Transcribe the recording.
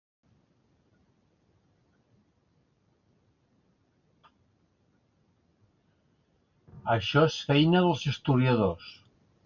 Això és feina dels historiadors.